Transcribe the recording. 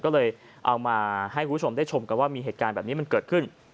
ก็เลยเอามาให้คุณผู้ชมได้ชมกันว่ามีเหตุการณ์แบบนี้มันเกิดขึ้น